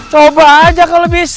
coba aja kalau bisa